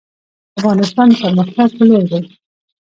افغانستان د پرمختګ په لور دی